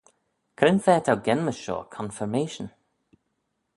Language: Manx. Cre'n fa t'ou genmys shoh confirmation?